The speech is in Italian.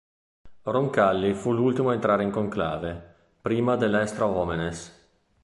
Roncalli fu l'ultimo a entrare in conclave, prima dell"'extra omnes".